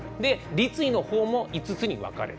立位のほうも５つに分かれる。